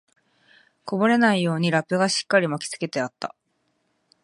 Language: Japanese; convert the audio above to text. こぼれないようにラップがしっかり巻きつけてあった